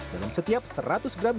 dengan setiap seratus gram